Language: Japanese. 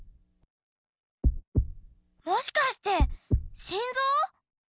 もしかして心臓！？